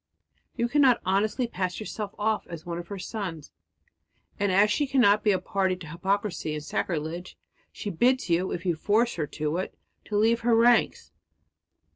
You cannot honestly pass yourself off as one of her sons; and as she cannot be a party to hypocrisy and sacrilege, she bids you, if you force her to it, to leave her ranks.